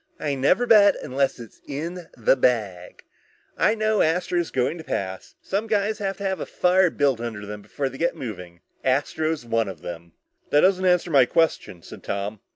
I never bet unless it's in the bag. I know Astro's going to pass. Some guys have to have a fire built under them before they get moving. Astro's one of them." "That doesn't answer my question," said Tom.